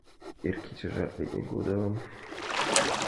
Эр кечыжат лекме годым